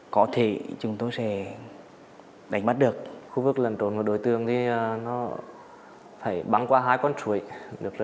có thể chúng tôi sẽ đánh bắt được khu vực lần trốn của đối tượng đi nó phải băng qua hai con chuỗi được